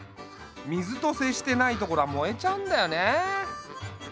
水と接してない所は燃えちゃうんだよね。